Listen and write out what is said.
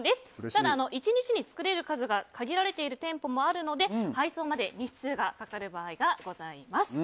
ただ１日に作れる数が限られている店舗もあるので配送まで日数がかかる場合がございます。